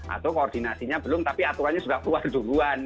atau koordinasinya belum tapi aturannya juga keluar duluan